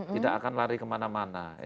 tidak akan lari kemana mana